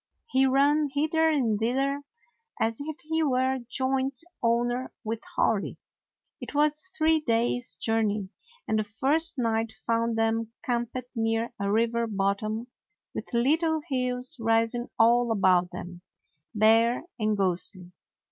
He ran hither and thither, as if he were joint owner with Hori. It was a three days' jour ney, and the first night found them camped near a river bottom, with little hills rising all about them, bare and ghostly.